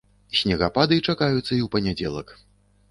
Снегапады чакаюцца і ў панядзелак.